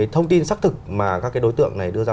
thông tin xác thực mà các đối tượng này đưa ra